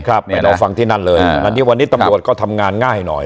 ครับไปรอฟังที่นั่นเลยวันนี้ตำรวจก็ทำงานง่ายหน่อย